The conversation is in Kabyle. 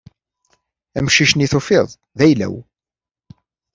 Amcic-nni i tufiḍ d ayla-w.